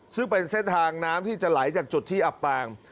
ซึ่งเป็นเส้นทางน้ำที่จะไหลจากจุดที่อับปาง